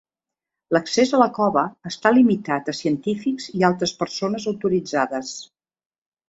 L'accés a la cova està limitat a científics i altres persones autoritzades.